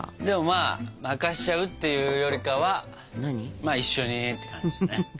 でもまあ任しちゃうっていうよりかはまあ一緒にって感じだね。